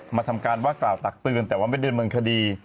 ทำการว่ากล่าวตักเตือนแต่ว่าไม่เดินเมืองคดี